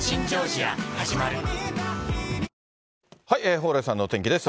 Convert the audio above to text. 蓬莱さんのお天気です。